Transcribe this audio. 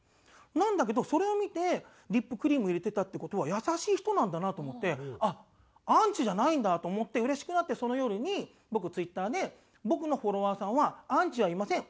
なんだけどそれを見てリップクリーム入れてたって事は優しい人なんだなと思ってアンチじゃないんだと思ってうれしくなってその夜に僕ツイッターで「僕のフォロワーさんはアンチじゃありません」